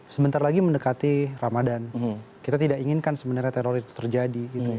sebentar lagi mendekati ramadan kita tidak inginkan sebenarnya teroris terjadi